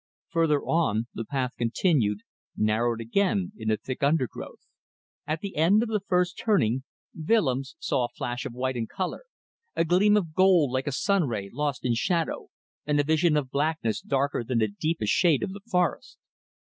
Further on, the path continued, narrowed again in the thick undergrowth. At the end of the first turning Willems saw a flash of white and colour, a gleam of gold like a sun ray lost in shadow, and a vision of blackness darker than the deepest shade of the forest.